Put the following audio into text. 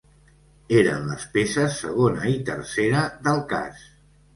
Eren les peces segona i tercera del cas.